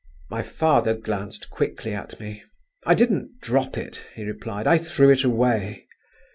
My father glanced quickly at me. "I didn't drop it," he replied; "I threw it away."